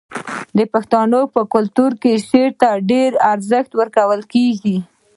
د پښتنو په کلتور کې شعر ته ډیر ارزښت ورکول کیږي.